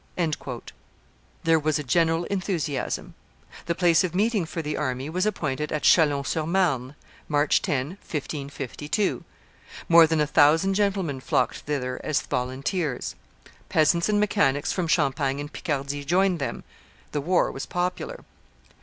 There was a general enthusiasm; the place of meeting for the army was appointed at Chalons sur Marne, March 10, 1552; more than a thousand gentlemen flocked thither as volunteers; peasants and mechanics from Champagne and Picardy joined them; the war was popular.